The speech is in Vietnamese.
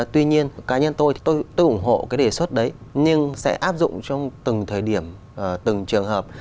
tuy nhiên cá nhân tôi thì tôi tôi ủng hộ cái đề xuất đấy nhưng sẽ áp dụng trong từng thời điểm từng trường hợp